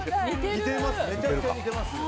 似てます！